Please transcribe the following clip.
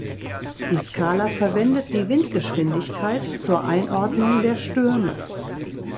Die Skala verwendet die Windgeschwindigkeit zur Einordnung der Stürme.